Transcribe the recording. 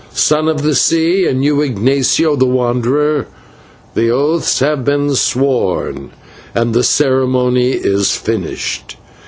Son of the Sea, and you, Ignatio the Wanderer, the oaths have been sworn, and the ceremony is finished.